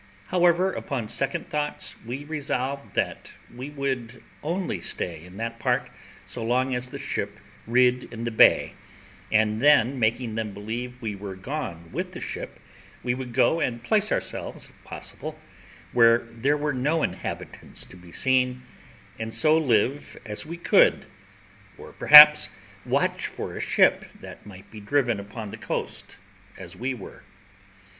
However, upon second thoughts we resolved that we would only stay in that part so long as the ship rid in the bay, and then making them believe we were gone with the ship, we would go and place ourselves, if possible, where there were no inhabitants to be seen, and so live as we could, or perhaps watch for a ship that might be driven upon the coast as we were.